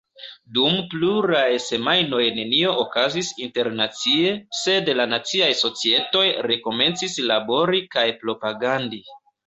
Dum pluraj semajnoj nenio okazis internacie, sed la naciaj societoj rekomencis labori kaj propagandi.